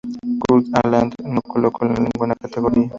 Kurt Aland no lo colocó en ninguna categoría.